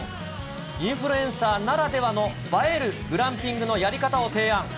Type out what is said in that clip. インフルエンサーならではの映えるグランピングのやり方を提案。